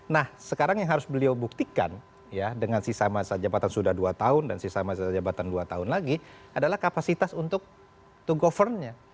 nah sekarang yang harus beliau buktikan ya dengan sisa masa jabatan sudah dua tahun dan sisa masa jabatan dua tahun lagi adalah kapasitas untuk to govern nya